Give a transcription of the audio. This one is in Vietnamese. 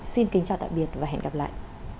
xin kính chào tạm biệt và hẹn gặp lại